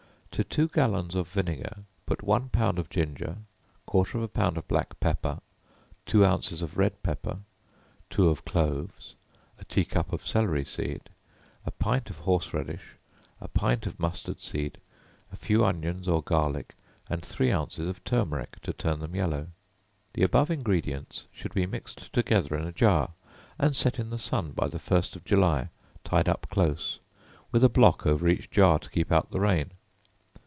To two gallons of vinegar, put one pound of ginger, quarter of a pound of black pepper, two ounces of red pepper, two of cloves, a tea cup of celery seed, a pint of horse radish, a pint of mustard seed, a few onions or garlic, and three ounces of turmeric to turn them yellow. The above ingredients should be mixed together in a jar, and set in the sun by the first of July, tied up close, with a block over each jar to keep out the rain.